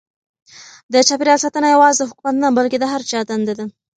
د چاپیریال ساتنه یوازې د حکومت نه بلکې د هر چا دنده ده.